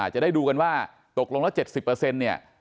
จะได้ดูกันว่าตกลงละ๗๐